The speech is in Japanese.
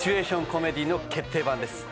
コメディーの決定版です